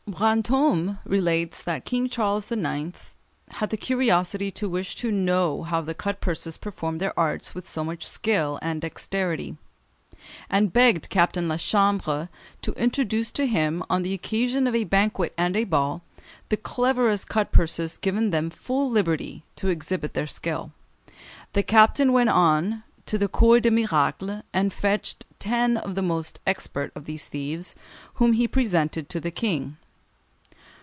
Brantôme relates that King Charles IX. had the curiosity to wish to "know how the cut purses performed their arts with so much skill and dexterity," and begged Captain La Chambre to introduce to him, on the occasion of a banquet and a ball, the cleverest cut purses, giving them full liberty to exhibit their skill. The captain went to the Cours des Miracles and fetched ten of the most expert of these thieves, whom he presented to the King.